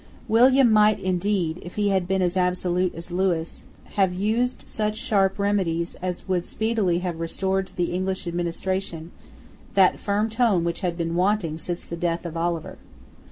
William might indeed, if he had been as absolute as Lewis, have used such sharp remedies as would speedily have restored to the English administration that firm tone which had been wanting since the death of Oliver.